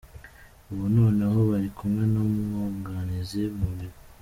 Ubu noneho bari kumwe n’umwunganizi mu nkiko.